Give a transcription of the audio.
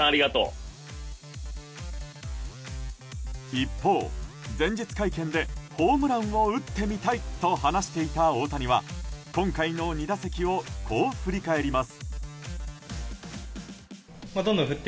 一方、前日会見でホームランを打ってみたいと話していた大谷は今回の２打席をこう振り返ります。